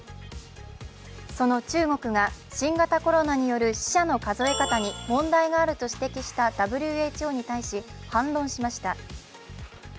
その中国が新型コロナによる死者の数え方に問題があると指摘したＷＨＯに対し、反論しました。